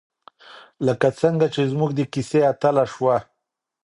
لکه څنګه چې زموږ د کیسې اتله شوه.